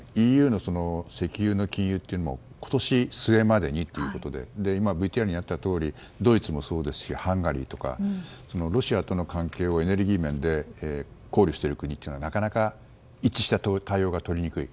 ＥＵの石油の禁輸というのは今年末までにということで今ＶＴＲにあったようにドイツもそうですしハンガリーとかロシアとの関係をエネルギー面で考慮している国というのはなかなか一致した対応が取りにくい。